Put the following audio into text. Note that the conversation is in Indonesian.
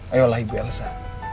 ayolah ibu elsa